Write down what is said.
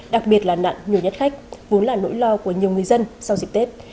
đặc biệt là nặng nhiều nhất khách vốn là nỗi lo của nhiều người dân sau dịp tết